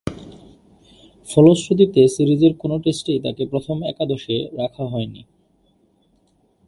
ফলশ্রুতিতে সিরিজের কোন টেস্টেই তাকে প্রথম একাদশে রাখা হয়নি।